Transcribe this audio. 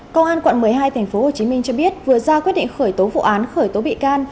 công an quận một mươi hai tp hcm cho biết vừa ra quyết định khởi tố vụ án khởi tố bị can